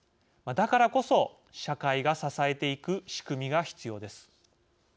だからこそ社会が支えていく仕組みが必要です。